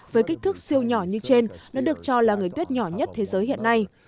với kích thước siêu nhỏ như trên nó được cho là người tuyết nhỏ nhất thế giới hiện nay